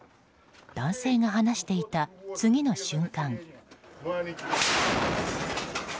男性が話していた次の瞬間。